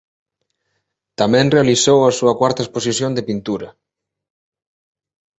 Tamén realizou a súa cuarta exposición de pintura.